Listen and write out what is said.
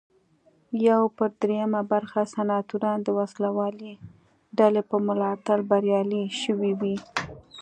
یو پر درېیمه برخه سناتوران د وسله والې ډلې په ملاتړ بریالي شوي وي.